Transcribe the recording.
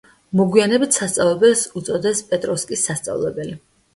მოგვიანებით სასწავლებელს უწოდეს პეტროვსკის სასწავლებელი.